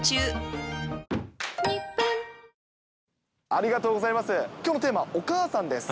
ありがとうございます。